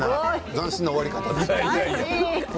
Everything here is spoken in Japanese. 斬新な終わり方ですよね。